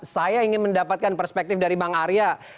saya ingin mendapatkan perspektif dari bang arya